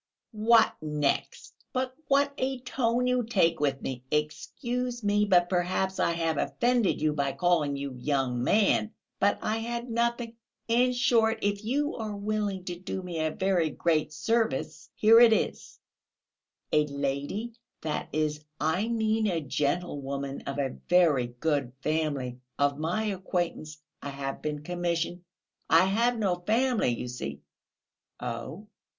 "What next? But what a tone you take with me! Excuse me, but perhaps I have offended you by calling you young man, but I had nothing ... in short, if you are willing to do me a very great service, here it is: a lady that is, I mean a gentlewoman of a very good family, of my acquaintance ... I have been commissioned ... I have no family, you see...." "Oh!"